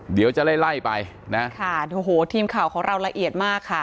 เดี๋ยวจะไล่ไล่ไปนะค่ะโอ้โหทีมข่าวของเราละเอียดมากค่ะ